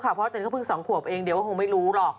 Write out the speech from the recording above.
เพราะว่าตอนนี้เขาเพิ่งสองขวบเองเดี๋ยวว่าคงไม่รู้หรอก